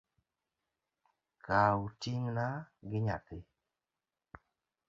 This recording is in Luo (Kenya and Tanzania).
Kaw ting’na gi nyathi